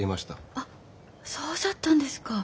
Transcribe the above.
あっそうじゃったんですか。